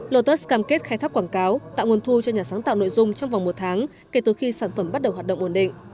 lotus cam kết khai thác quảng cáo tạo nguồn thu cho nhà sáng tạo nội dung trong vòng một tháng kể từ khi sản phẩm bắt đầu hoạt động ổn định